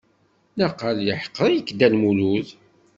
Naqal yeḥqer-ik Dda Lmulud.